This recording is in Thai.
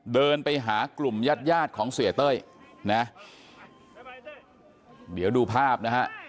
เดินไปหากลุ่มญาติญาติของเสียเต้ยนะเดี๋ยวดูภาพนะฮะ